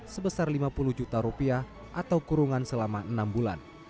sebesar lima puluh juta rupiah atau kurungan selama enam bulan